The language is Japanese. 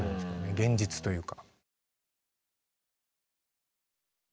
現実というか。